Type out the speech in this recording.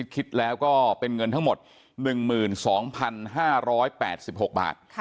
คิดแล้วก็เป็นเงินทั้งหมด๑๒๕๘๖บาท